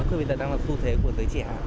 bóng cười bây giờ đang là xu thế của giới trẻ